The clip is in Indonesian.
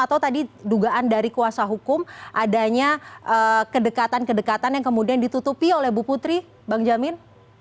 atau tadi dugaan dari kuasa hukum adanya kedekatan kedekatan yang kemudian ditutupi oleh bu putri bang jamin